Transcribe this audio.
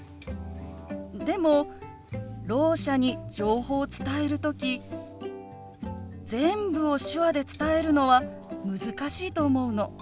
でもろう者に情報を伝える時全部を手話で伝えるのは難しいと思うの。